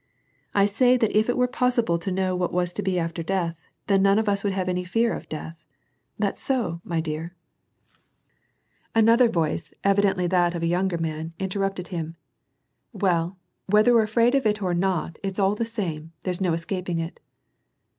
" I say that if it were possi ble to know what was to be after death, then none of us would have any fear of death. That's so, my dear." • Qolvbchik, WAR AND PEACE. 211 Another Toice, evidently that of a younger man, intemipted him, —" Well, whether we're afraid of it or not, it's all the same, there's no escaping it."